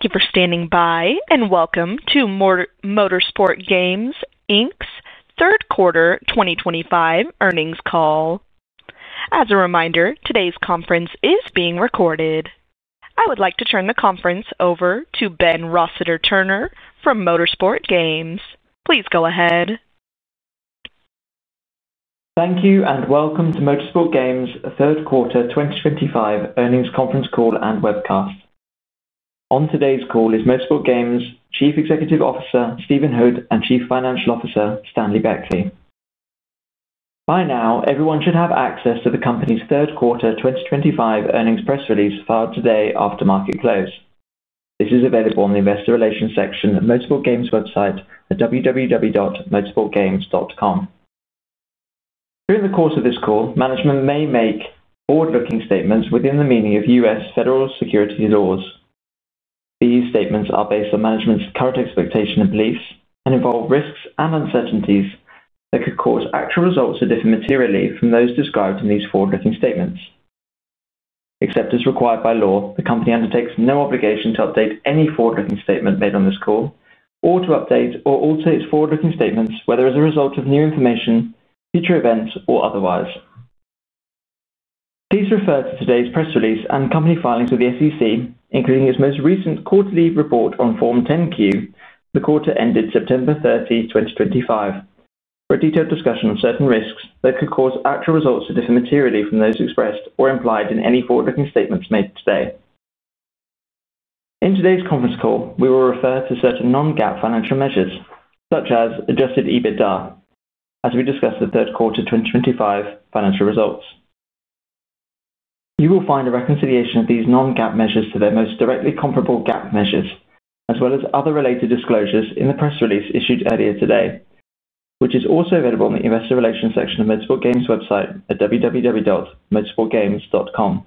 Thank you for standing by and welcome to Motorsport Games' Inc. third quarter 2025 earnings call. As a reminder, today's conference is being recorded. I would like to turn the conference over to Ben Rossiter-Turner from Motorsport Games. Please go ahead. Thank you and welcome to Motorsport Games' third quarter 2025 earnings conference call and webcast. On today's call is Motorsport Games' Chief Executive Officer Stephen Hood and Chief Financial Officer Stanley Beckley. By now, everyone should have access to the company's third quarter 2025 earnings press release filed today after market close. This is available in the investor relations section of Motorsport Games' website at www.motorsportgames.com. During the course of this call, management may make forward-looking statements within the meaning of U.S. federal securities laws. These statements are based on management's current expectation and beliefs and involve risks and uncertainties that could cause actual results to differ materially from those described in these forward-looking statements. Except as required by law, the company undertakes no obligation to update any forward-looking statement made on this call or to update or alter its forward-looking statements, whether as a result of new information, future events, or otherwise. Please refer to today's press release and company filings with the SEC, including its most recent quarterly report on Form 10-Q, the quarter ended September 30, 2025, for a detailed discussion of certain risks that could cause actual results to differ materially from those expressed or implied in any forward-looking statements made today. In today's conference call, we will refer to certain non-GAAP financial measures, such as adjusted EBITDA, as we discuss the third quarter 2025 financial results. You will find a reconciliation of these non-GAAP measures to their most directly comparable GAAP measures, as well as other related disclosures in the press release issued earlier today, which is also available in the investor relations section of Motorsport Games' website at www.motorsportgames.com.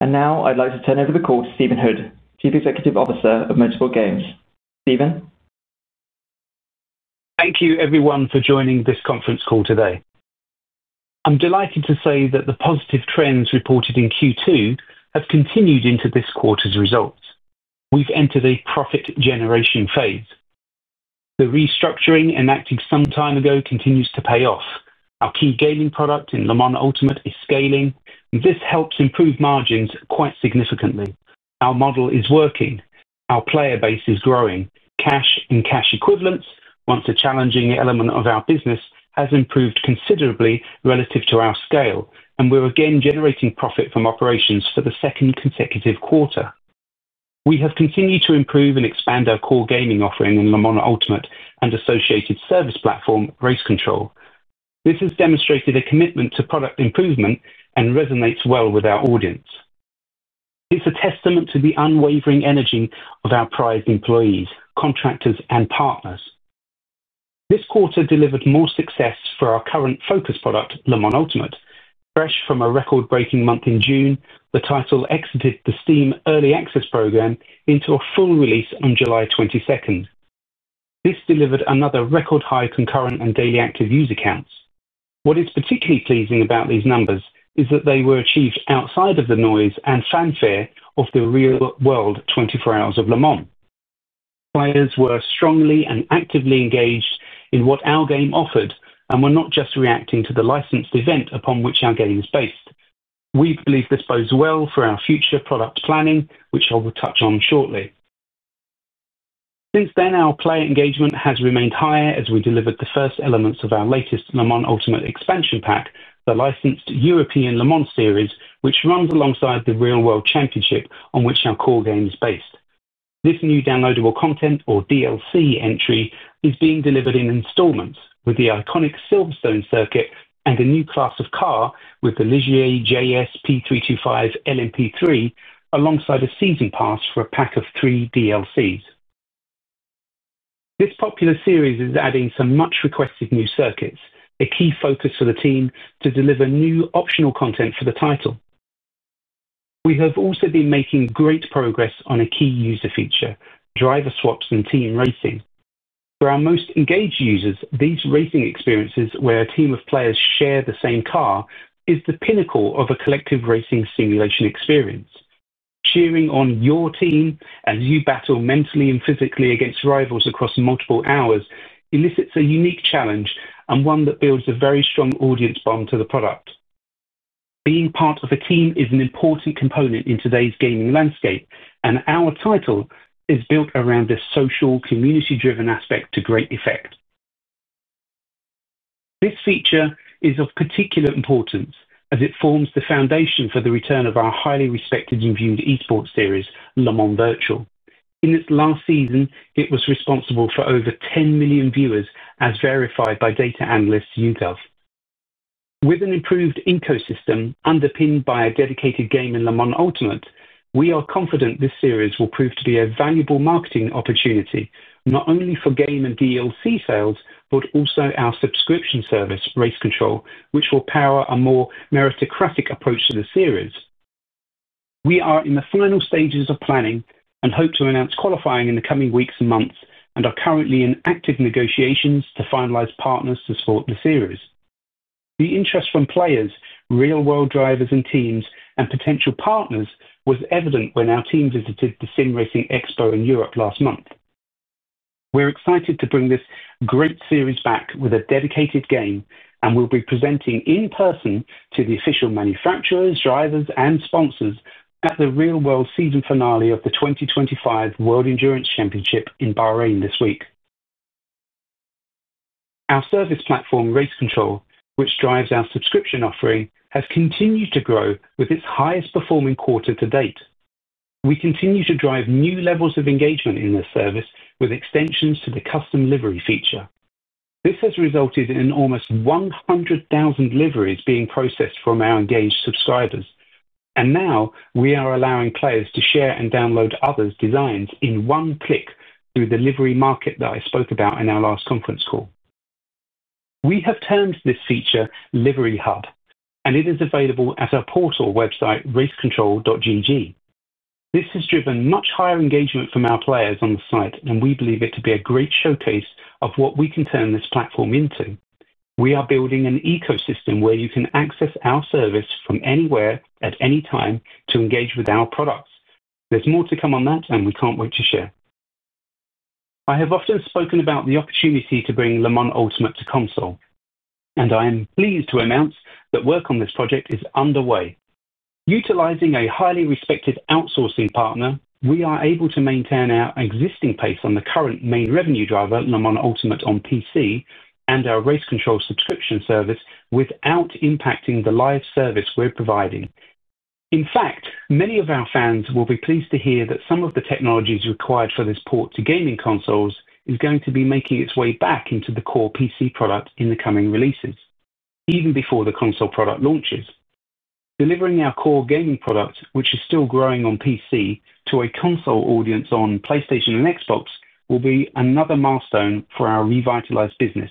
I would like to turn over the call to Stephen Hood, Chief Executive Officer of Motorsport Games. Stephen? Thank you, everyone, for joining this conference call today. I'm delighted to say that the positive trends reported in Q2 have continued into this quarter's results. We've entered a profit-generation phase. The restructuring enacted some time ago continues to pay off. Our key gaming product in Le Mans Ultimate is scaling, and this helps improve margins quite significantly. Our model is working. Our player base is growing. Cash and cash equivalents, once a challenging element of our business, have improved considerably relative to our scale, and we're again generating profit from operations for the second consecutive quarter. We have continued to improve and expand our core gaming offering in Le Mans Ultimate and associated service platform, Race Control. This has demonstrated a commitment to product improvement and resonates well with our audience. It's a testament to the unwavering energy of our prized employees, contractors, and partners. This quarter delivered more success for our current focus product, Le Mans Ultimate. Fresh from a record-breaking month in June, the title exited the Steam Early Access Program into a full release on July 22. This delivered another record-high concurrent and daily active user counts. What is particularly pleasing about these numbers is that they were achieved outside of the noise and fanfare of the real-world 24 Hours of Le Mans. Players were strongly and actively engaged in what our game offered and were not just reacting to the licensed event upon which our game is based. We believe this bodes well for our future product planning, which I will touch on shortly. Since then, our player engagement has remained higher as we delivered the first elements of our latest Le Mans Ultimate expansion pack, the licensed European Le Mans Series, which runs alongside the real-world championship on which our core game is based. This new downloadable content, or DLC entry, is being delivered in installments with the iconic Silverstone circuit and a new class of car with the Ligier JS P325 LMP3, alongside a season pass for a pack of three DLCs. This popular series is adding some much-requested new circuits, a key focus for the team to deliver new optional content for the title. We have also been making great progress on a key user feature, driver swaps and team racing. For our most engaged users, these racing experiences where a team of players share the same car is the pinnacle of a collective racing simulation experience. Cheering on your team as you battle mentally and physically against rivals across multiple hours elicits a unique challenge and one that builds a very strong audience bond to the product. Being part of a team is an important component in today's gaming landscape, and our title is built around this social, community-driven aspect to great effect. This feature is of particular importance as it forms the foundation for the return of our highly respected and viewed eSports series, Le Mans Virtual. In its last season, it was responsible for over 10 million viewers, as verified by data analysts at UDelv. With an improved ecosystem underpinned by a dedicated game in Le Mans Ultimate, we are confident this series will prove to be a valuable marketing opportunity, not only for game and DLC sales but also our subscription service, Race Control, which will power a more meritocratic approach to the series. We are in the final stages of planning and hope to announce qualifying in the coming weeks and months and are currently in active negotiations to finalize partners to support the series. The interest from players, real-world drivers and teams, and potential partners was evident when our team visited the Sim Racing Expo in Europe last month. We're excited to bring this great series back with a dedicated game and will be presenting in person to the official manufacturers, drivers, and sponsors at the real-world season finale of the 2025 World Endurance Championship in Bahrain this week. Our service platform, Race Control, which drives our subscription offering, has continued to grow with its highest-performing quarter to date. We continue to drive new levels of engagement in this service with extensions to the custom livery feature. This has resulted in almost 100,000 liveries being processed from our engaged subscribers, and now we are allowing players to share and download others' designs in one click through the livery market that I spoke about in our last conference call. We have termed this feature Livery Hub, and it is available at our portal website, racecontrol.gg. This has driven much higher engagement from our players on the site, and we believe it to be a great showcase of what we can turn this platform into. We are building an ecosystem where you can access our service from anywhere at any time to engage with our products. There's more to come on that, and we can't wait to share. I have often spoken about the opportunity to bring Le Mans Ultimate to console, and I am pleased to announce that work on this project is underway. Utilizing a highly respected outsourcing partner, we are able to maintain our existing pace on the current main revenue driver, Le Mans Ultimate on PC, and our Race Control subscription service without impacting the live service we're providing. In fact, many of our fans will be pleased to hear that some of the technologies required for this port to gaming consoles is going to be making its way back into the core PC product in the coming releases, even before the console product launches. Delivering our core gaming product, which is still growing on PC, to a console audience on PlayStation and Xbox will be another milestone for our revitalized business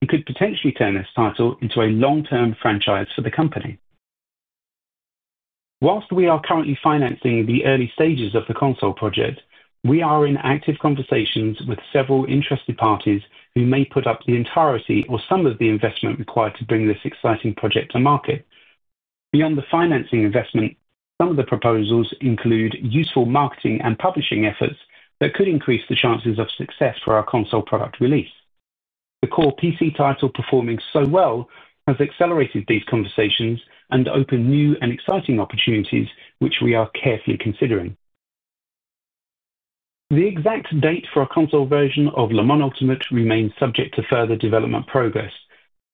and could potentially turn this title into a long-term franchise for the company. Whilst we are currently financing the early stages of the console project, we are in active conversations with several interested parties who may put up the entirety or some of the investment required to bring this exciting project to market. Beyond the financing investment, some of the proposals include useful marketing and publishing efforts that could increase the chances of success for our console product release. The core PC title performing so well has accelerated these conversations and opened new and exciting opportunities, which we are carefully considering. The exact date for a console version of Le Mans Ultimate remains subject to further development progress,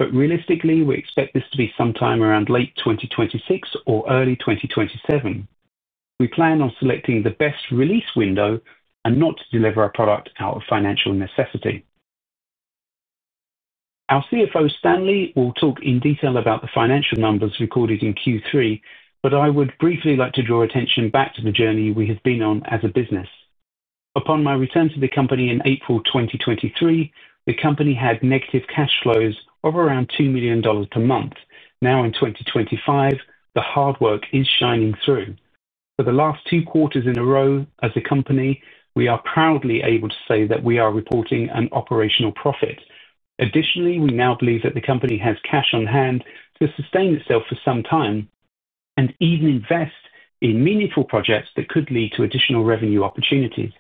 but realistically, we expect this to be sometime around late 2026 or early 2027. We plan on selecting the best release window and not to deliver our product out of financial necessity. Our CFO, Stanley, will talk in detail about the financial numbers recorded in Q3, but I would briefly like to draw attention back to the journey we have been on as a business. Upon my return to the company in April 2023, the company had negative cash flows of around $2 million per month. Now in 2025, the hard work is shining through. For the last two quarters in a row as a company, we are proudly able to say that we are reporting an operational profit. Additionally, we now believe that the company has cash on hand to sustain itself for some time and even invest in meaningful projects that could lead to additional revenue opportunities.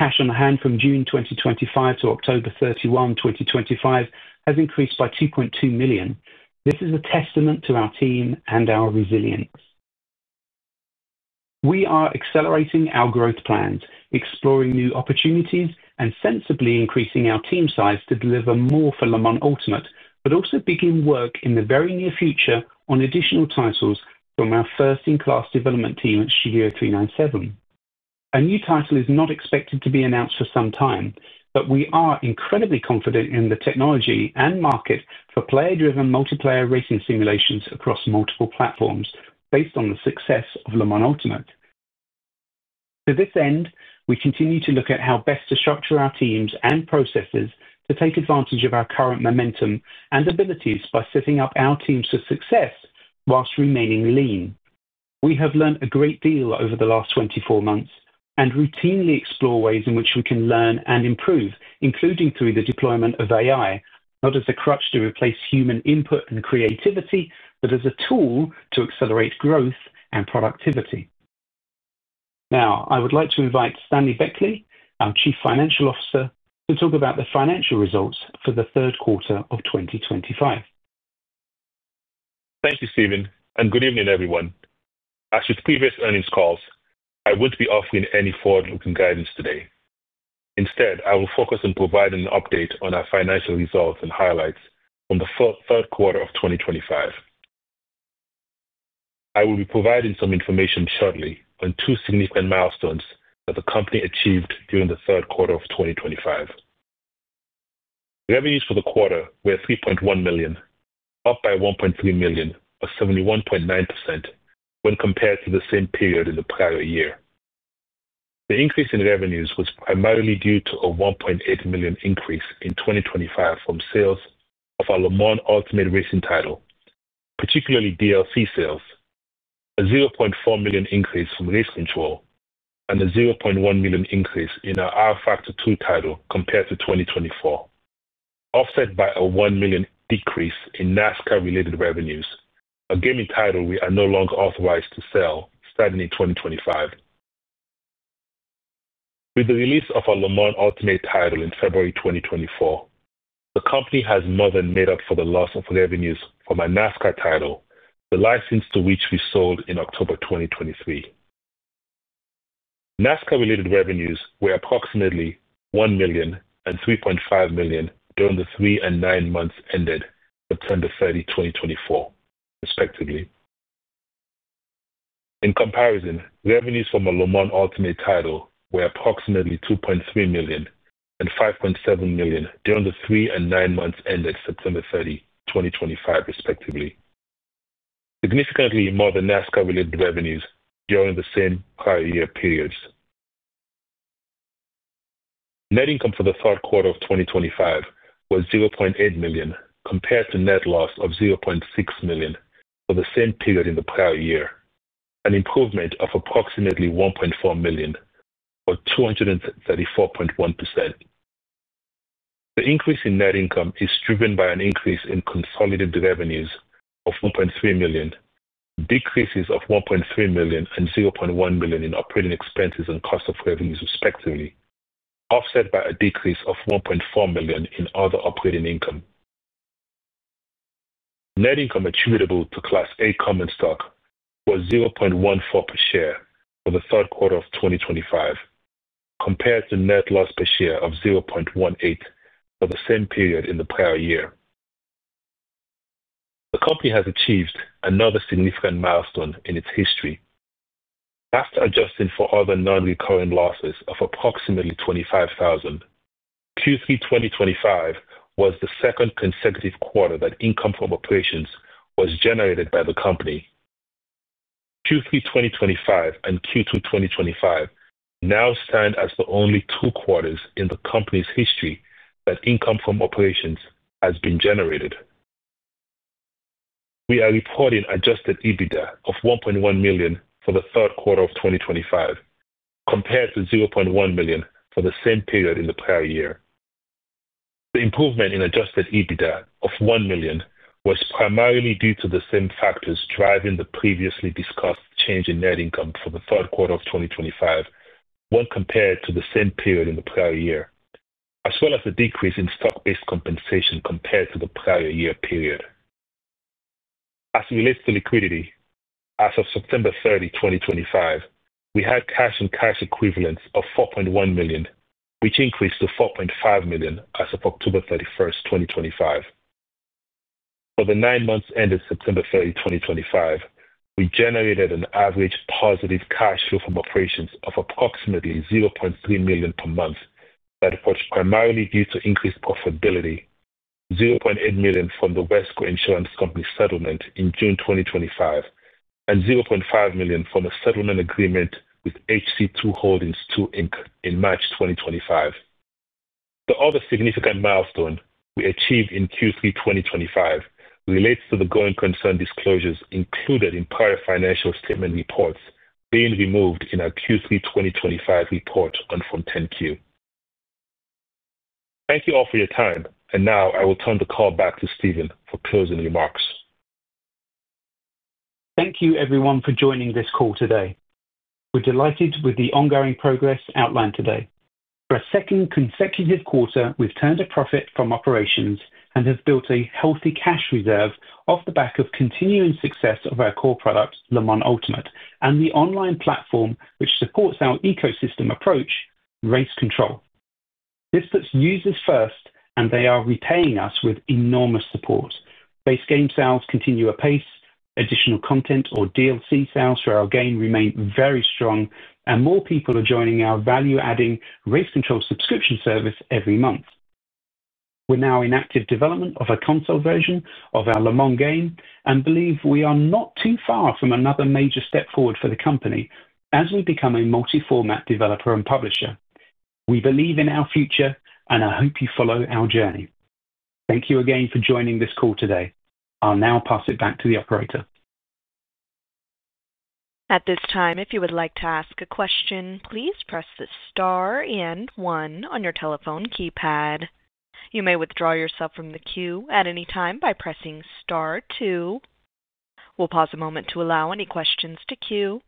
Cash on hand from June 2025 to October 31, 2025, has increased by $2.2 million. This is a testament to our team and our resilience. We are accelerating our growth plans, exploring new opportunities, and sensibly increasing our team size to deliver more for Le Mans Ultimate, but also begin work in the very near future on additional titles from our first-in-class development team at Studio 397. A new title is not expected to be announced for some time, but we are incredibly confident in the technology and market for player-driven multiplayer racing simulations across multiple platforms based on the success of Le Mans Ultimate. To this end, we continue to look at how best to structure our teams and processes to take advantage of our current momentum and abilities by setting up our teams for success whilst remaining lean. We have learned a great deal over the last 24 months and routinely explore ways in which we can learn and improve, including through the deployment of AI, not as a crutch to replace human input and creativity, but as a tool to accelerate growth and productivity. Now, I would like to invite Stanley Beckley, our Chief Financial Officer, to talk about the financial results for the third quarter of 2025. Thank you, Stephen, and good evening, everyone. As with previous earnings calls, I won't be offering any forward-looking guidance today. Instead, I will focus on providing an update on our financial results and highlights from the third quarter of 2025. I will be providing some information shortly on two significant milestones that the company achieved during the third quarter of 2025. Revenues for the quarter were $3.1 million, up by $1.3 million, or 71.9%, when compared to the same period in the prior year. The increase in revenues was primarily due to a $1.8 million increase in 2025 from sales of our Le Mans Ultimate racing title, particularly DLC sales, a $0.4 million increase from Race Control, and a $0.1 million increase in our rFactor 2 title compared to 2024. Offset by a $1 million decrease in NASCAR-related revenues, a gaming title we are no longer authorized to sell starting in 2025. With the release of our Le Mans Ultimate title in February 2024, the company has more than made up for the loss of revenues from our NASCAR title, the license to which we sold in October 2023. NASCAR-related revenues were approximately $1 million and $3.5 million during the three and nine months ended September 30, 2024, respectively. In comparison, revenues from our Le Mans Ultimate title were approximately $2.3 million and $5.7 million during the three and nine months ended September 30, 2025, respectively. Significantly more than NASCAR-related revenues during the same prior year periods. Net income for the third quarter of 2025 was $0.8 million, compared to net loss of $0.6 million for the same period in the prior year, an improvement of approximately $1.4 million, or 234.1%. The increase in net income is driven by an increase in consolidated revenues of $1.3 million, decreases of $1.3 million and $0.1 million in operating expenses and cost of revenues, respectively, offset by a decrease of $1.4 million in other operating income. Net income attributable to Class A Common Stock was $0.14 per share for the third quarter of 2025, compared to net loss per share of $0.18 for the same period in the prior year. The company has achieved another significant milestone in its history. After adjusting for other non-recurring losses of approximately $25,000, Q3 2025 was the second consecutive quarter that income from operations was generated by the company. Q3 2025 and Q2 2025 now stand as the only two quarters in the company's history that income from operations has been generated. We are reporting adjusted EBITDA of $1.1 million for the third quarter of 2025, compared to $0.1 million for the same period in the prior year. The improvement in adjusted EBITDA of $1 million was primarily due to the same factors driving the previously discussed change in net income for the third quarter of 2025, when compared to the same period in the prior year, as well as the decrease in stock-based compensation compared to the prior year period. As it relates to liquidity, as of September 30, 2025, we had cash and cash equivalents of $4.1 million, which increased to $4.5 million as of October 31, 2025. For the nine months ended September 30, 2025, we generated an average positive cash flow from operations of approximately $0.3 million per month that was primarily due to increased profitability, $0.8 million from the Wesco Insurance Company settlement in June 2025, and $0.5 million from a settlement agreement with HC2 Holdings II in March 2025. The other significant milestone we achieved in Q3 2025 relates to the going concern disclosures included in prior financial statement reports being removed in our Q3 2025 report on Form 10-Q. Thank you all for your time, and now I will turn the call back to Stephen for closing remarks. Thank you, everyone, for joining this call today. We're delighted with the ongoing progress outlined today. For a second consecutive quarter, we've turned a profit from operations and have built a healthy cash reserve off the back of continuing success of our core product, Le Mans Ultimate, and the online platform which supports our ecosystem approach, Race Control. This puts users first, and they are repaying us with enormous support. Base game sales continue apace. Additional content or DLC sales for our game remain very strong, and more people are joining our value-adding Race Control subscription service every month. We're now in active development of a console version of our Le Mans game and believe we are not too far from another major step forward for the company as we become a multi-format developer and publisher. We believe in our future, and I hope you follow our journey. Thank you again for joining this call today. I'll now pass it back to the operator. At this time, if you would like to ask a question, please press the star and one on your telephone keypad. You may withdraw yourself from the queue at any time by pressing star two. We'll pause a moment to allow any questions to queue.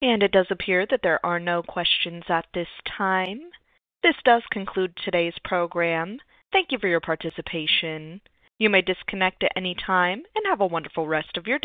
It does appear that there are no questions at this time. This does conclude today's program. Thank you for your participation. You may disconnect at any time and have a wonderful rest of your day.